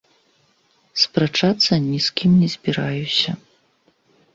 Спрачацца ні з кім не збіраюся.